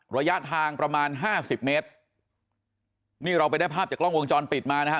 ระยะทางประมาณห้าสิบเมตรนี่เราไปได้ภาพจากกล้องวงจรปิดมานะฮะ